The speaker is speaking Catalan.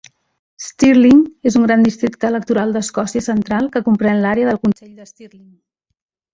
Stirling és un gran districte electoral d'Escòcia central que compren l'àrea del consell de Stirling.